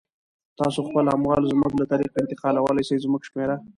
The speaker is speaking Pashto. تاسو خپل اموال زموږ له طریقه انتقالولای سی، زموږ شمیره